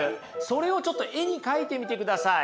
それをちょっと絵に描いてみてください。